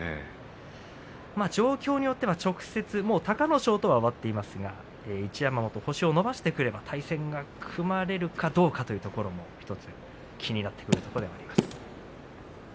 状況によっては直接、隆の勝とは終わっていますが一山本、星を伸ばしてくれば対戦が組まれるかどうかというところも１つ気になってくるところではあります。